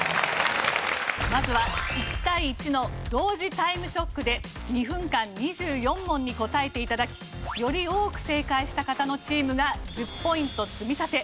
まずは１対１の同時タイムショックで２分間２４問に答えて頂きより多く正解した方のチームが１０ポイント積み立て。